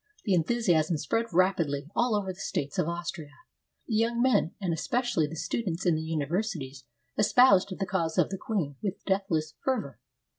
The enthusiasm spread rapidly all over the states of Austria. The young men, and especially the students in the uni versities, espoused the cause of the queen with deathless fervor.